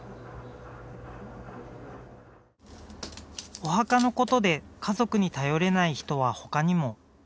お墓のことで家族に頼れない人は他にも。